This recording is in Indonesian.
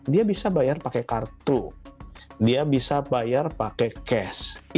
dia bisa bayar pakai kartu dia bisa bayar pakai cash